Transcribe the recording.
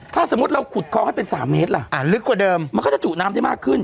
ถ้าสมมุติเราขุดคลองให้เป็น๓เมตรล่ะลึกกว่าเดิมมันก็จะจุน้ำได้มากขึ้น